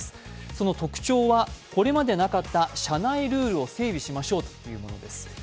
その特徴は、これまでなかった社内ルールを整備しましょうということです。